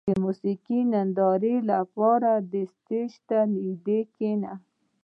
• د موسیقۍ نندارې لپاره د سټېج ته نږدې کښېنه.